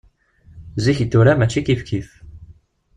Zik d tura mačči kif kif.